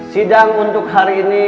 sidang untuk hari ini